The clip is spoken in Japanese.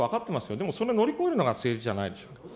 でもそれ乗り越えるのが政治じゃないでしょうか。